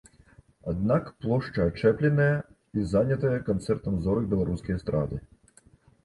Аднак плошча ачэпленая і занятая канцэртам зорак беларускай эстрады.